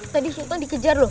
tadi sultan dikejar loh